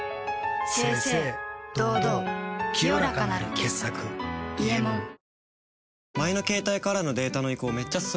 清々堂々清らかなる傑作「伊右衛門」「日清